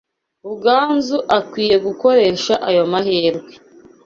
Ruganzu akwiye gukoresha ayo mahirwe.